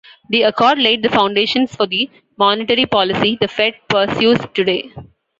The accord laid the foundations for the monetary policy the Fed pursues today.